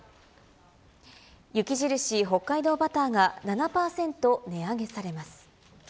雪印北海道バターが７％値上げされます。